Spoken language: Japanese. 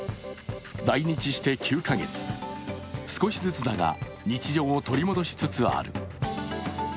来日して９か月、少しずつだが日常を取り戻しつつある。